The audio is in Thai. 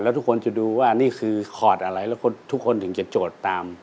แล้วทุกคนจะดูว่านี่คือคอร์ดอะไรแล้วทุกคนถึงจะโจทย์ตาม